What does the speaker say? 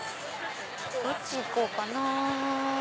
どっち行こうかな。